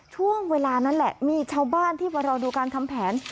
ช่วงเวลานั้นแหละมีชาวบ้านที่มารอดูการทำแผน